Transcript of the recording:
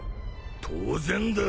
当然だろ。